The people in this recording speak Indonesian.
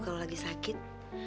kalau lagi sakit